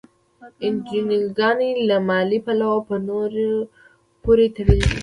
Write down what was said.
انجوګانې له مالي پلوه په نورو پورې تړلي دي.